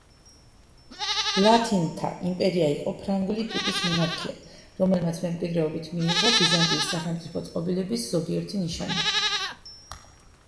ლათინთა იმპერია იყო ფრანგული ტიპის მონარქია, რომელმაც მემკვიდრეობით მიიღო ბიზანტიის სახელმწიფო წყობილების ზოგიერთი ნიშანი.